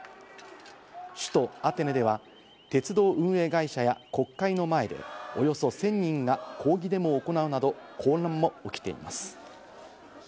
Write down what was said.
首都アテネでは鉄道運営会社や国会の前でおよそ１０００人が抗議デモを行うなど混乱も起きています。